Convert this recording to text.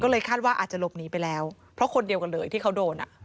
ก็เลยคาดว่าอาจจะหลบหนีไปแล้วเพราะคนเดียวกันเลยที่เขาโดนอ่ะ